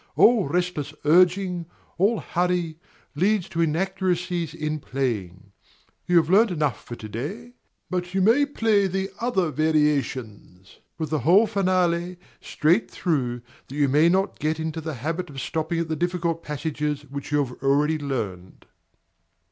All restless urging, all hurry, leads to inaccuracies in playing. You have learned enough for to day; but you may play the other variations, with the whole finale, straight through, that you may not get into the habit of stopping at the difficult passages which you have already learned.